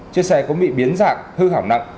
chiếc xe cũng bị biến dạng hư hỏng nặng